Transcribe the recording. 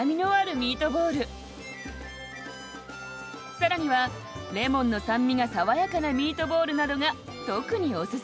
さらにはレモンの酸味が爽やかなミートボールなどが特におすすめ。